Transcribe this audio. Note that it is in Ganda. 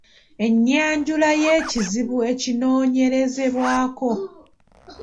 Ennyanjula y’ekizibu ekinoonyerezebwako.